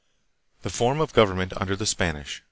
The Form of Government under the Spanish.